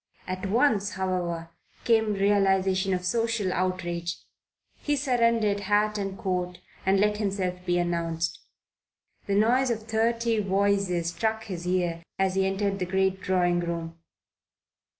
At once, however, came realization of social outrage. He surrendered hat and coat and let himself be announced. The noise of thirty voices struck his ear as he entered the great drawing room.